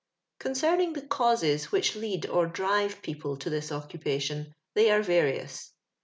Concerning the camr* which had or drive people to this occupation, they aro various.